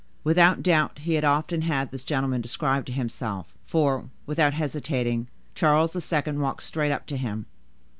Without doubt, he had often had this gentleman described to himself, for, without hesitating, Charles II. walked straight up to him.